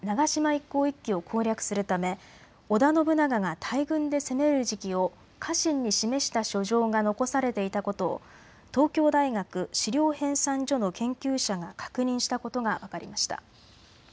一向一揆を攻略するため織田信長が大軍で攻める時期を家臣に示した書状が残されていたことを東京大学史料編纂所の研究者が確認したことが分かりました。